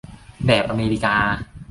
แบบอเมริกา